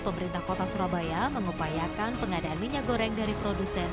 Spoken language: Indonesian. pemerintah kota surabaya mengupayakan pengadaan minyak goreng dari produsen